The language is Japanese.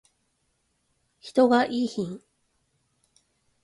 人がいーひん